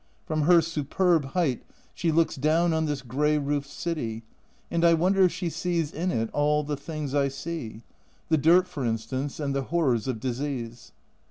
From her superb height she looks down on this grey roofed city, and I wonder if she sees in it all the things I see ! The dirt, for instance, and the horrors of disease.